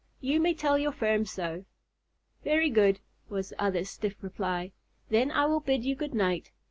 You may tell your firm so." "Very good," was the other's stiff reply. "Then I will bid you good night.